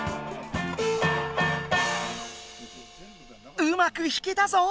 うまく弾けたぞ！